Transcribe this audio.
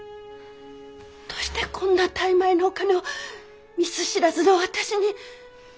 どうしてこんな大枚のお金を見ず知らずの私に？